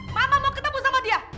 mana mau ketemu sama dia